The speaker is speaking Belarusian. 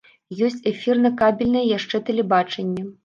Ёсць эфірна-кабельнае яшчэ тэлебачанне.